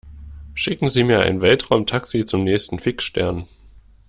Schicken Sie mir ein Weltraumtaxi zum nächsten Fixstern!